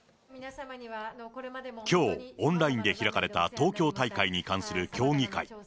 きょう、オンラインで開かれた東京大会に関する協議会。